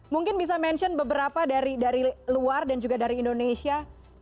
mungkin bisa mention beberapa dari luar dan juga dari indonesia